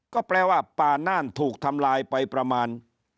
ก็แปลว่าป่าน่านถูกทำลายไปประมาณ